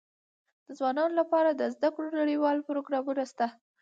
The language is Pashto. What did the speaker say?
د ځوانانو لپاره د زده کړو نړيوال پروګرامونه سته.